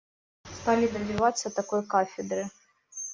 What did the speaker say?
Стали добиваться такой кафедры.